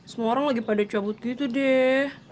semua orang lagi pada cabut gitu deh